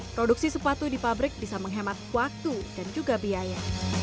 produksi sepatu di pabrik bisa menghemat waktu dan juga biaya